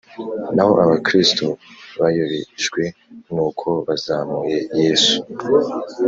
naho abakristo bayobejwe n’uko bazamuye yesu